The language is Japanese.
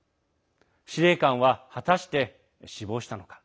司令官は果たして死亡したのか。